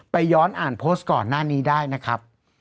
ย้อนอ่านโพสต์ก่อนหน้านี้ได้นะครับ